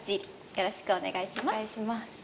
よろしくお願いします。